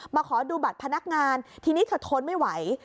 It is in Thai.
ขอดูบัตรพนักงานทีนี้เธอทนไม่ไหว